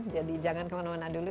jadi jangan kemana mana dulu